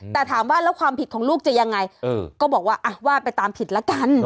แต่ถามว่าแล้วความผิดของลูกจะยังไงก็บอกว่าว่าไปตามผิดละกัน